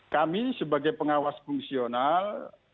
kami sebagai pengawas fungsional